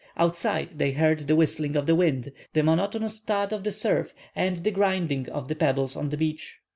Outside they heard the whistling of the wind, the monotonous thud of the surf, and the grinding of the pebbles on the beach.